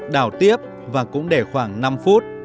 đảo tiếp và cũng để khoảng năm phút